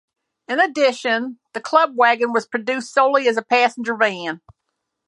In addition, the Club Wagon was produced solely as a passenger van.